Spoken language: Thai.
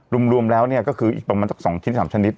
รวมแล้วเนี่ยก็คืออีกประมาณสัก๒ชิ้น๓ชนิด